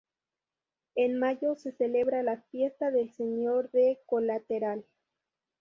En mayo se celebra la fiesta del Señor del Colateral.